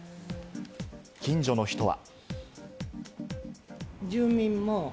近所の人は。